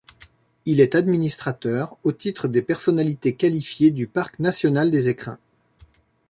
Il est administrateur au titre des personnalités qualifiées du parc national des Écrins.